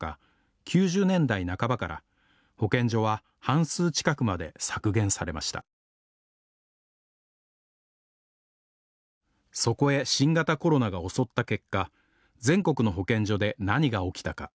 ９０年代半ばから保健所は半数近くまで削減されましたそこへ新型コロナが襲った結果全国の保健所で何が起きたか。